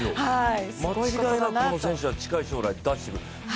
間違いなくこの選手は近い将来、出してくる。